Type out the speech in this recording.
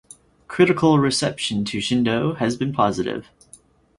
Critical reception to Shindo has been positive.